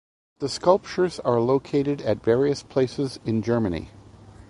The sculptures are located at various places in Germany.